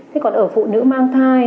thế còn ở phụ nữ mang thai